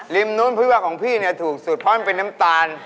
ริมนู้นพฤวัตรของพี่ถูกสุดเพราะมันเป็นน้ำตาล